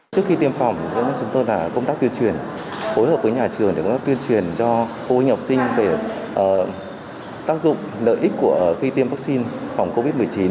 trước khi tiêm phòng chúng tôi đã công tác tuyên truyền hối hợp với nhà trường để công tác tuyên truyền cho cô hình học sinh về tác dụng lợi ích của khi tiêm vaccine phòng covid một mươi chín